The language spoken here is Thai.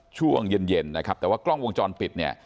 ช่วงเย็นเย็นนะครับแต่ว่ากล้องวงจรปิดเนี่ย